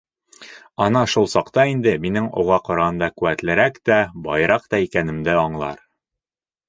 Ана шул саҡта инде минең уға ҡарағанда ҡеүәтлерәк тә, байыраҡ та икәнемде аңлар.